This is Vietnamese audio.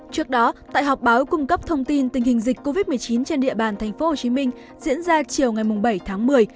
trước đó tại họp báo cung cấp thông tin tình hình dịch covid một mươi chín trên địa bàn thành phố hồ chí minh diễn ra chiều ngày bảy tháng một mươi